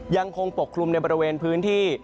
ยังคงปกคลุมในบริเวณพื้นที่